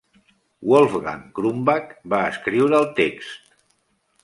Wolfgang Krumbach va escriure el text.